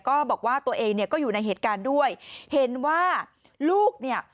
ก็บอกว่าตัวเองเนี่ยก็อยู่ในเหตุการณ์ด้วยเห็นว่าลูกเนี่ย